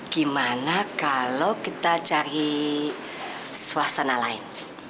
gimana kalau kita cari suasana lain